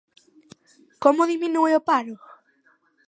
¿Como diminúe o paro?